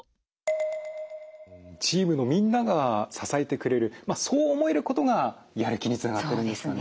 チームのみんなが支えてくれるそう思えることがやる気につながってるんですかね。